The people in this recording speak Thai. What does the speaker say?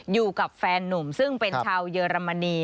อยู่กับแฟนนุ่มซึ่งเป็นชาวเยอรมนี